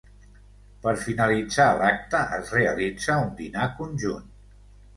Per finalitzar l'acte es realitza un dinar conjunt.